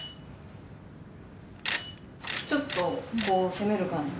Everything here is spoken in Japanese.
ちょっとこう攻める感じで。